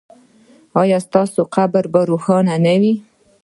ایا ستاسو قبر به روښانه نه وي؟